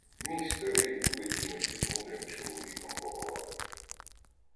Мій старий любить іноді з мудрим чоловіком побалакати.